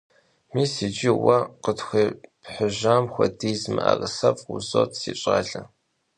Mis yicı vue khıtxuephıjjam xuediz mı'erısef'u vuzot, si ş'ale.